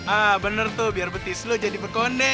ah bener tuh biar betis lo jadi berkonde